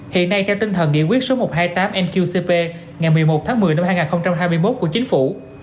hiện nay theo tinh thần nghị quyết số một trăm hai mươi tám nqcp ngày một mươi một tháng một mươi năm hai nghìn hai mươi một của chính phủ